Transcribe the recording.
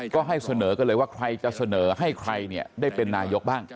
ก็ให้เสนอกันเลยว่าใครจะเสนอให้ใครได้เป็นนายกบ้าง